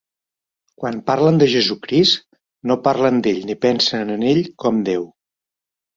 Quan parlen de Jesucrist, no parlen d'ell ni pensen en ell com Déu.